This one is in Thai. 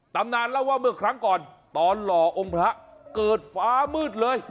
ตำนานเล่าว่าเมื่อครั้งก่อนตอนหล่อองค์พระเกิดฟ้ามืดเลย